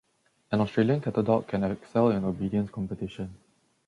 An Australian Cattle Dog can excel in obedience competition.